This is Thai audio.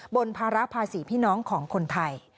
ภาระภาษีพี่น้องของคนไทย